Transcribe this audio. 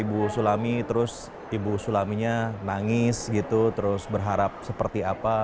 ibu sulami terus ibu sulaminya nangis gitu terus berharap seperti apa